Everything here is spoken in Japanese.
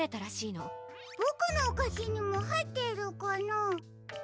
ボクのおかしにもはいっているかなあ？